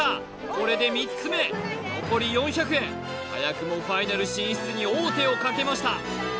これで３つ目残り４００円早くもファイナル進出に王手をかけました